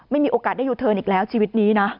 มีโอกาสได้ยูเทิร์นอีกแล้วชีวิตนี้นะ